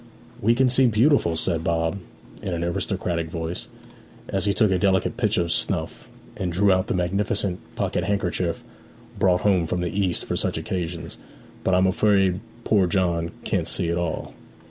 'We can see beautifully,' said Bob, in an aristocratic voice, as he took a delicate pinch of snuff, and drew out the magnificent pocket handkerchief brought home from the East for such occasions. 'But I am afraid poor John can't see at all.'